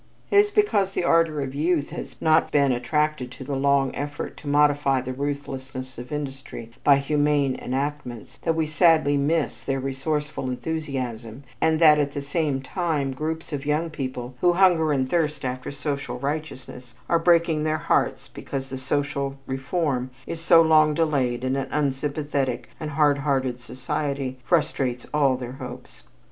It is because the ardor of youth has not been attracted to the long effort to modify the ruthlessness of industry by humane enactments, that we sadly miss their resourceful enthusiasm and that at the same time groups of young people who hunger and thirst after social righteousness are breaking their hearts because the social reform is so long delayed and an unsympathetic and hardhearted society frustrates all their hopes.